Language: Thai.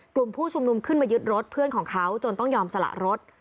กลุ่มผู้ชุมนุมขึ้นมายึดรถเพื่อนของเขาจนต้องยอมสละรถ